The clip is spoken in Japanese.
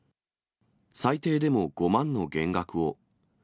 最低でも５万の減額を。